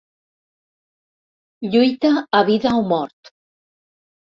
Lluita a vida o mort.